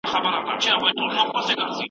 زما ژوند به دي په کار سي